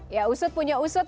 ya usut punya usut